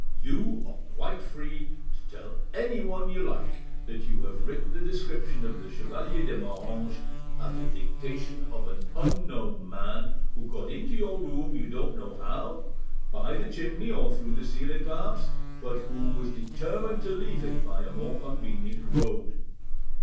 "You are quite free to tell anyone you like that you have written the description of the Chevalier de Moranges at the dictation of an unknown man, who got into your room you don't know how, by the chimney or through the ceiling perhaps, but who was determined to leave it by a more convenient road.